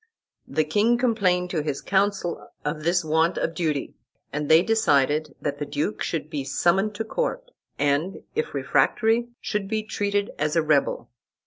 The king complained to his council of this want of duty, and they decided that the duke should be summoned to court, and, if refractory, should be treated as a rebel.